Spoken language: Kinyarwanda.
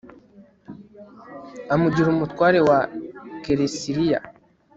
amugira umutware wa kelesiriya